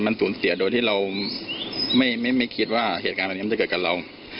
มันสูญเสียโดยที่เราไม่คิดว่าเหตุการณ์แบบนี้มันจะเกิดกับเรา